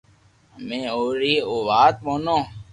امي اوري ر وات مونو